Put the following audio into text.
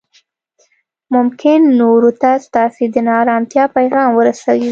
ممکن نورو ته ستاسې د نا ارامتیا پیغام ورسوي